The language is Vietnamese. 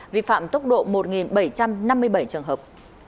vi phạm tốc độ một bảy trăm năm mươi bảy trường hợp